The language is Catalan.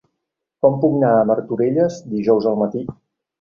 Com puc anar a Martorelles dijous al matí?